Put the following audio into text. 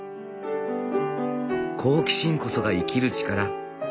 好奇心こそが生きる力。